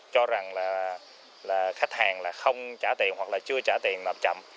cho rằng khách hàng không trả tiền hoặc chưa trả tiền lập chậm